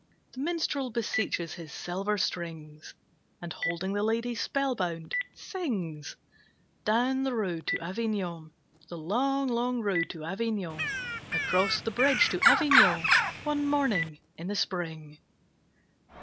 The minstrel beseeches his silver strings, And holding the lady spellbound, sings: Down the road to Avignon, The long, long road to Avignon, Across the bridge to Avignon, One morning in the spring.